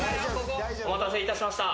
お待たせいたしました。